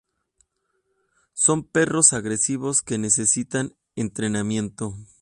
Son perros agresivos que necesitan entrenamiento.